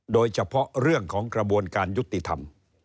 โดยเฉพาะเรื่องของกระบวนการยุติธรรม